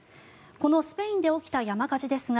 このスペインで起きた山火事ですが